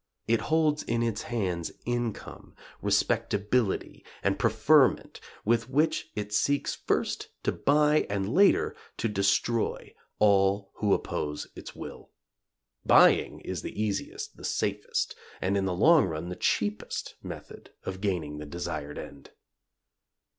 It holds in its hands income, respectability and preferment, with which it seeks first to buy, and later to destroy all who oppose its will. Buying is the easiest, the safest, and in the long run the cheapest method of gaining the desired end.